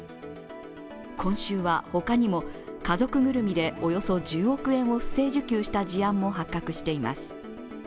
今週は、他にも家族ぐるみでおよそ１０億円を不正受給した事案も発覚しています。